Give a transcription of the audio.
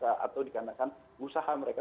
atau dikarenakan usaha mereka